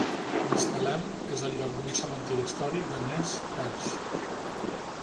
Nespelem és el lloc d'un cementiri històric de Nez Perce.